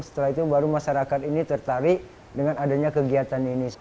setelah itu baru masyarakat ini tertarik dengan adanya kegiatan ini